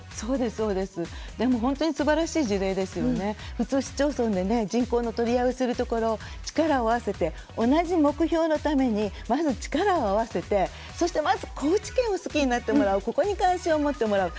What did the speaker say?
普通市町村でね人口の取り合いをするところ力を合わせて同じ目標のためにまず力を合わせてそしてまず高知県を好きになってもらうここに関心を持ってもらう。